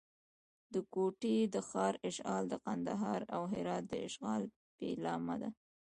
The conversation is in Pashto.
د کوټې د ښار اشغال د کندهار او هرات د اشغال پیلامه ده.